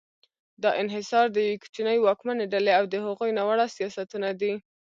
دا انحصار د یوې کوچنۍ واکمنې ډلې او د هغوی ناوړه سیاستونه دي.